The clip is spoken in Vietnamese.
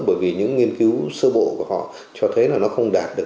bởi vì những nghiên cứu sơ bộ của họ cho thấy là nó không đạt được